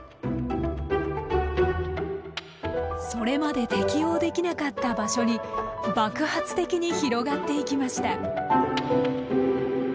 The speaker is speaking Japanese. それまで適応できなかった場所に爆発的に広がっていきました。